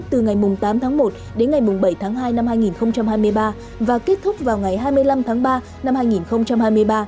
từ ngày tám tháng một đến ngày bảy tháng hai năm hai nghìn hai mươi ba và kết thúc vào ngày hai mươi năm tháng ba năm hai nghìn hai mươi ba